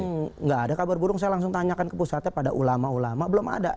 tidak ada kabar burung saya langsung tanyakan ke pusatnya pada ulama ulama belum ada